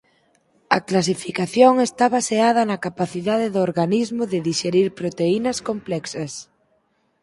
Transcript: A clasificación está baseada na capacidade do organismo de dixerir proteínas complexas.